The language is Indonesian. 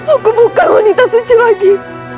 aku buka wanita suci lagi